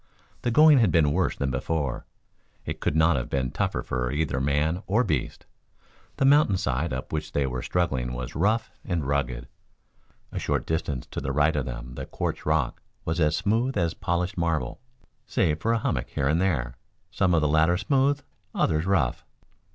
The going had been worse than before. It could not have been tougher for either man or beast. The mountain side up which they were struggling was rough and rugged. A short distance to the right of them the quartz rock was as smooth as polished marble save for a hummock here and there, some of the latter smooth, others rough.